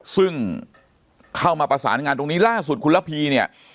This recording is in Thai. ซึ่งเข้ามาประสานงานตรงนี้ล่าสุดคุณระพีเนี่ย